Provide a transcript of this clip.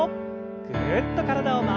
ぐるっと体を回して。